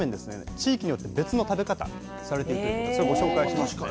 地域によって別の食べ方されてるということそれご紹介しますね。